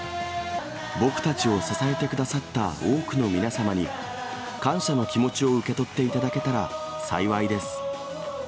僕たちを支えてくださった多くの皆様に、感謝の気持ちを受け取っていただけたら幸いです。